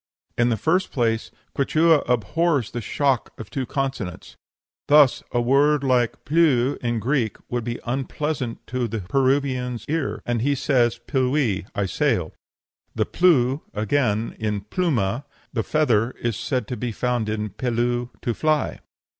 In the first place, Quichua abhors the shock of two consonants. Thus, a word like ple'w in Greek would be unpleasant to the Peruvian's ear, and he says pillui, 'I sail.' The plu, again, in pluma, a feather, is said to be found in pillu, 'to fly.'